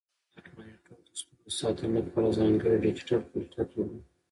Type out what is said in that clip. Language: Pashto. دا سمارټ مانیټور د سترګو د ساتنې لپاره ځانګړی ډیجیټل فلټر لري.